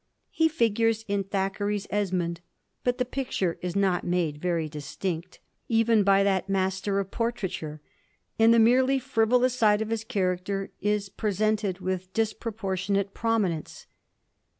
He figures in Thackeray's * Esmond,' but the picture is not made very distinct, ^7 even by that master of portraiture ; and the merely fiivolous side of his character is presented with dis proportionate prominence.